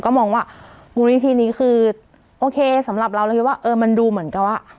ก็มองว่ามูลนิธินี้คือโอเคสำหรับเราเราคิดว่าเออมันดูเหมือนกับว่า